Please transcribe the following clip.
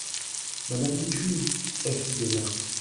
Madame Bichu : F. Genat.